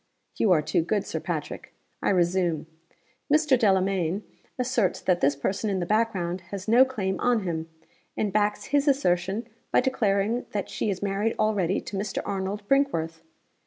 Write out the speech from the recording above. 'You are too good, Sir Patrick. I resume. Mr. Delamayn asserts that this person in the back ground has no claim on him, and backs his assertion by declaring that she is married already to Mr. Arnold Brinkworth.